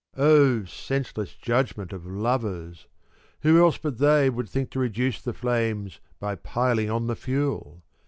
Oh senseless judgment of lovers ! Who else but they would think to reduce the flames by piling on the fuel?